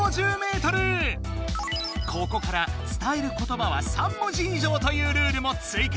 ここからつたえることばは３文字以上というルールも追加。